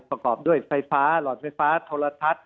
ประกอบด้วยไฟฟ้าหลอดไฟฟ้าโทรทัศน์